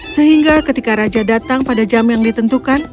sehingga ketika raja datang pada jam yang ditentukan